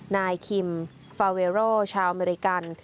นายคิมฟาเวโรชาวอเมริกัน